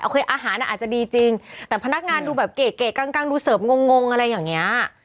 อาหารอาจจะดีจริงแต่พนักงานดูแบบเก๋กลางดูเสริมงอะไรอย่างนี้